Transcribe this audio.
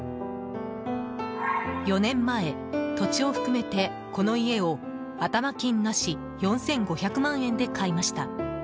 ４年前、土地を含めてこの家を頭金なし４５００万円で買いました。